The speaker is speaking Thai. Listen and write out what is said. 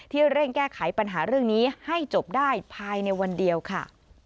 เร่งแก้ไขปัญหาเรื่องนี้ให้จบได้ภายในวันเดียวค่ะ